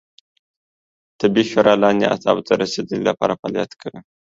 طبي شورا لاندې اهدافو ته رسیدو لپاره فعالیت کوي